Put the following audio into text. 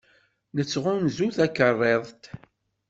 Nettɣunzu takerriḍt.